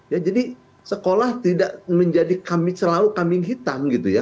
ya jadi sekolah tidak menjadi selau kambing hitam gitu ya